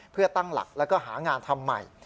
เพื่อตั้งหลักแล้วก็หางานทำใหม่